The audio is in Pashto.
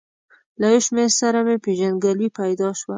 له یو شمېر سره مې پېژندګلوي پیدا شوه.